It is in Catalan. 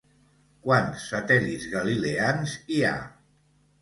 Quants satèl·lits galileans hi ha?